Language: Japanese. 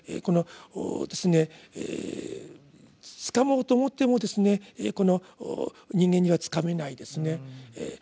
このつかもうと思ってもこの人間にはつかめないですね。